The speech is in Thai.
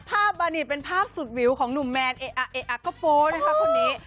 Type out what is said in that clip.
ภาพบานิดเป็นภาพสุดวิวของหนุ่มแมนเอ๊ะก็โพสต์นะคะคนนี้